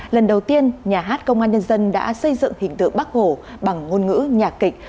lần đầu tiên nhà hát công an nhân dân đã xây dựng hình tượng bắc hồ bằng ngôn ngữ nhạc kịch